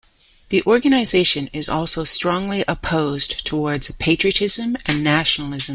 The organisation is also strongly opposed towards patriotism and nationalism.